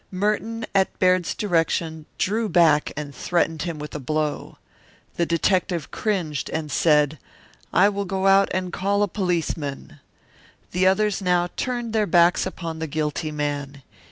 Merton, at Baird's direction, drew back and threatened him with a blow. The detective cringed and said: "I will go out and call a policeman." The others now turned their backs upon the guilty man.